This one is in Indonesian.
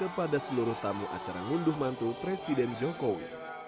kepada seluruh tamu acara ngunduh mantu presiden jokowi